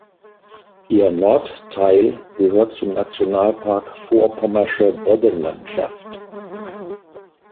Ihr Nordteil gehört zum Nationalpark Vorpommersche Boddenlandschaft.